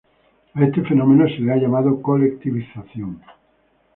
A este fenómeno se le ha llamado "colectivización".